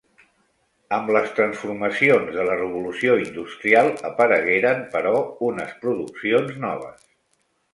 Amb les transformacions de la revolució industrial aparegueren, però, unes produccions noves.